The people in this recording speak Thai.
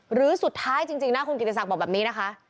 หรือสุดท้ายจริงนะคุณกิติศักดิ์บอกแบบนี้นะคะ